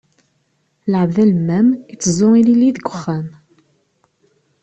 Lɛebd alemmam, iteẓẓu ilili deg uxxam.